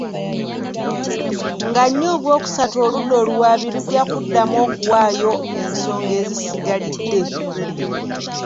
Nga nnya ogwookusatu oludda oluwaabi lujja kuddamu okuwaayo ensonga ezisigalidde.